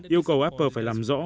yêu cầu apple phải làm rõ